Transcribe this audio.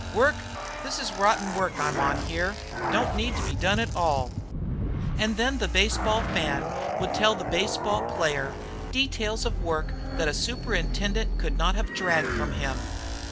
Work, this's rotten work I'm on here. Don't need to be done at all." And the baseball fan would tell the baseball player details of work that a superintendent could not have dragged from him.